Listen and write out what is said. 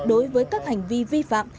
đối với các hành vi vi phạm